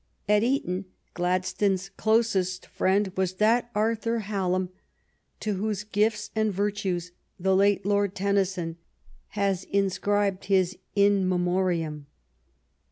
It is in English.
At Eton Gladstone's closest friend was that Arthur Hallam to whose gifts and virtues the late Lord Tennyson has inscribed his In Memo riam."